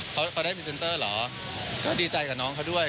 เขาเขาได้พรีเซนเตอร์เหรอก็ดีใจกับน้องเขาด้วย